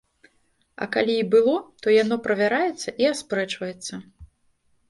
А калі і было, то яно правяраецца і аспрэчваецца.